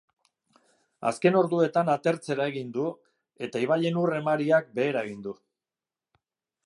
Azken orduetan atertzera egin du eta ibaien ur-emariak behera egin du.